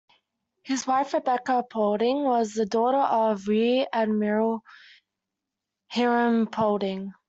His wife, Rebecca Paulding, was the daughter of Rear Admiral Hiram Paulding.